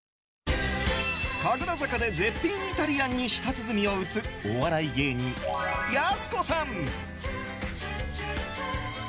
神楽坂で絶品イタリアンに舌つづみを打つお笑い芸人やす子さん。